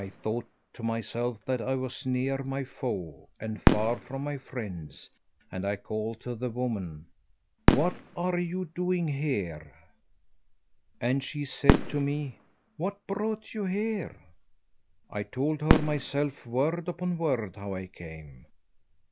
I thought to myself that I was near my foe and far from my friends, and I called to the woman, 'What are you doing here?' And she said to me, 'What brought you here?' I told her myself word upon word how I came.